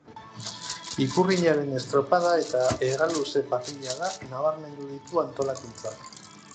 Ikurriñaren estropada eta hegaluze parrillada nabarmendu ditu antolakuntzak.